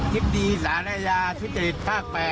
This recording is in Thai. ธิบดีสารอาญาทุจริตภาค๘